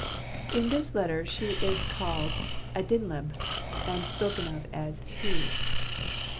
In this letter she is called "Adinleb" and spoken of as "he."